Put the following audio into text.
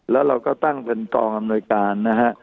แล้วเราก็ตั้งเป็นกองอำนวยการนะฮะ